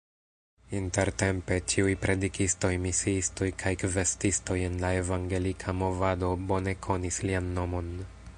Intertempe ĉiuj predikistoj, misiistoj kaj kvestistoj en la Evangelika movado bone konis lian nomon.